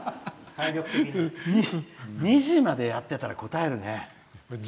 ２時までやってたらこたえるね。